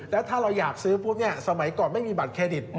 แล้วถ้าเราอยากซื้อพวกนี้สมัยก่อนไม่มีบัตรเครดิต